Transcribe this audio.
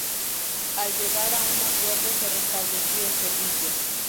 Al llegar a un acuerdo se restableció el servicio.